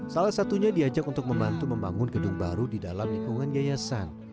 salah satunya diajak untuk membantu membangun gedung baru di dalam lingkungan yayasan